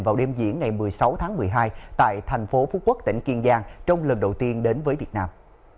vào đêm diễn ngày một mươi sáu tháng một mươi hai tại thành phố phú quốc tỉnh kiên giang trong lần đầu tiên đến với việt nam